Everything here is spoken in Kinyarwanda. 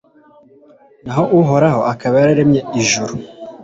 naho uhoraho akaba yararemye ijuru